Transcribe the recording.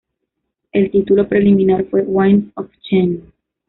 El título preliminar fue "Winds of Change".